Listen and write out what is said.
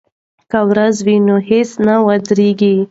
که ورځ وي نو هڅه نه ودریږي.